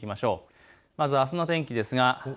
まずあすの天気です。